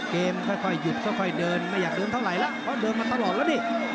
เกมค่อยค่อยหยุดก็ค่อยเดินไม่อยากลืมเท่าไหร่ล่ะเพราะเดินมาตลอดแล้วนี่